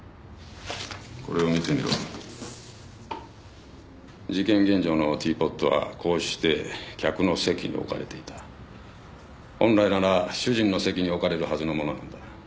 これを見てみろ事件現場のティーポットはこうして客の席に置かれていた本来なら主人の席に置かれるはずのものなんだ